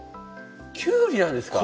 きゅうりなんですか？